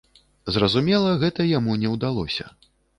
Зразумела, гэта яму не ўдалося.